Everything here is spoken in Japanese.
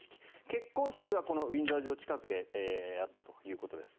結婚式はウィンザー城近くでやったということです。